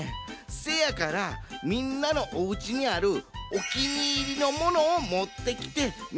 せやからみんなのおうちにあるおきにいりのものをもってきてみせてほしいねん。